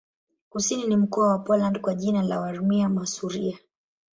Kusini ni mkoa wa Poland kwa jina la Warmia-Masuria.